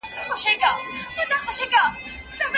والدين د زوم په ژوند کي منفي مداخله ولي کوي؟